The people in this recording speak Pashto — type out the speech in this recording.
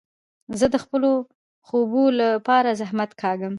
زه د خپلو خوبو له پاره زحمت کاږم.